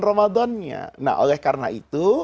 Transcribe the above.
ramadan nya nah oleh karena itu